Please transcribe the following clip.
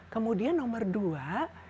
kemudian nomor dua